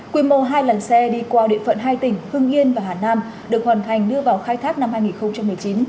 quy mô hai lần xe đi qua địa phận hai tỉnh hưng yên và hà nam được hoàn thành đưa vào khai thác năm hai nghìn một mươi chín